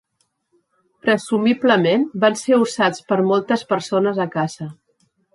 Presumiblement van ser usats per moltes persones a casa.